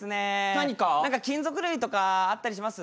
何か金属類とかあったりします？